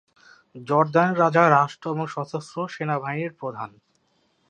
জর্দানের রাজা রাষ্ট্র ও সশস্ত্র সেনাবাহিনীর প্রধান।